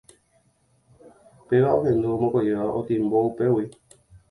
Péva ohendúvo mokõivéva otimbo upégui.